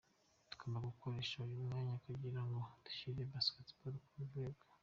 Tugomba gukoresha uyu mwanya kugira ngo dushyire Basketball ku rundi rwego.